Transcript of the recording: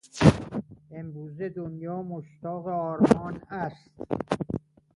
امروزه دنیا مشتاق آرمان است.